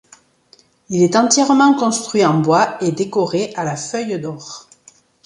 Il est entièrement construit en bois et décoré à la feuille d'or.